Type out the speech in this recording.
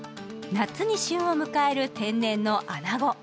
夏に旬を迎える天然の穴子。